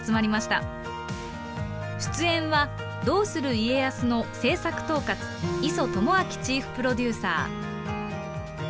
出演は「どうする家康」の制作統括磯智明チーフプロデューサー。